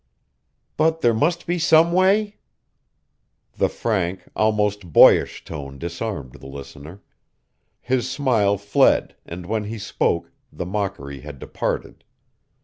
"But there must be some way?" The frank, almost boyish tone disarmed the listener. His smile fled and when he spoke the mockery had departed.